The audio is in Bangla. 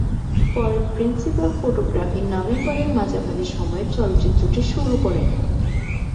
পরে প্রিন্সিপাল ফটোগ্রাফি নভেম্বরের মাঝামাঝি সময়ে চলচ্চিত্রটি শুরু করে।